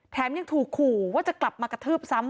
ยังถูกขู่ว่าจะกลับมากระทืบซ้ำ